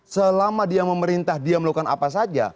selama dia memerintah dia melakukan apa saja